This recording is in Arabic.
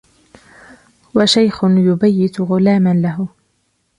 وشيخ يبيت غلام له